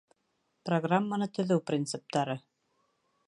Программаны төҙөү принциптары: